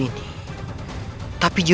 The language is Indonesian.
aku bisa melahirkanmu